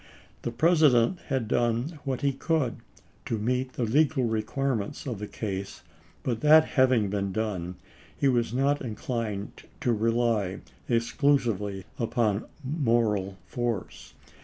The President had done what he could to ch. xiii. meet the legal requirements of the case ; but, that having been done, he was not inclined to rely ex clusively upon moral force.